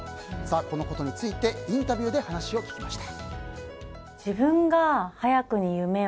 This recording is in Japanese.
このことについてインタビューで話を聞きました。